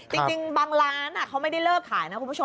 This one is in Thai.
จริงบางร้านเขาไม่ได้เลิกขายนะคุณผู้ชม